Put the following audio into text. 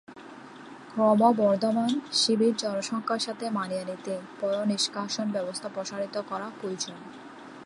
ক্রমবর্ধমান শিবির জনসংখ্যার সাথে মানিয়ে নিতে পয়ঃনিষ্কাশন ব্যবস্থা প্রসারিত করা প্রয়োজন।